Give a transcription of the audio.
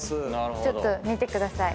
ちょっと見てください。